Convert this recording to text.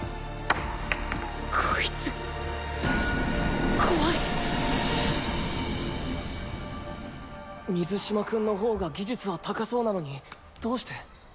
こいつ怖い水嶋君の方が技術は高そうなのにどうして。